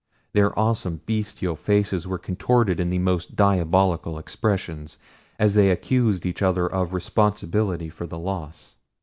Their awesome, bestial faces were contorted in the most diabolical expressions, as they accused each other of responsibility for the loss.